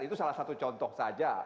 itu salah satu contoh saja